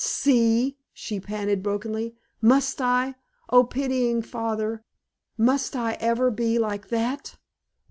"See!" she panted, brokenly. "Must I oh, pitying Father! must I ever be like that?"